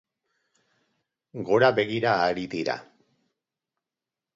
Gora begira ari dira.